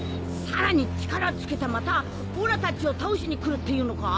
さらに力つけてまたオラたちを倒しに来るっていうのか？